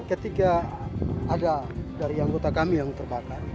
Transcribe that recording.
ketika ada dari anggota kami yang terbakar